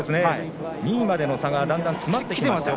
２位までの差がだんだん詰まってきています。